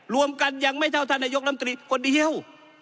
รวมกันยังไม่เท่าท่านนายกรรมตรีคนเดียว